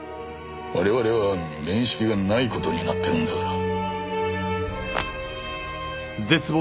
我々は面識がない事になっているんだから。